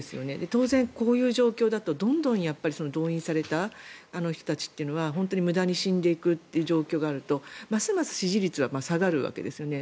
当然こういう状況だとどんどん動員された人たちというのは無駄に死んでいくという状況があるとますます支持率は下がるわけですよね。